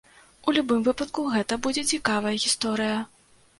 У любым выпадку, гэта будзе цікавая гісторыя.